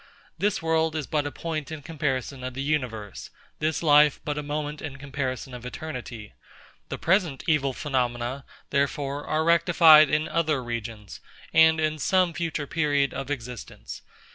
This world is but a point in comparison of the universe; this life but a moment in comparison of eternity. The present evil phenomena, therefore, are rectified in other regions, and in some future period of existence.